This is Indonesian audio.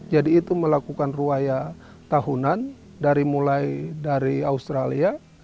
jadi itu melakukan ruaya tahunan dari mulai dari australia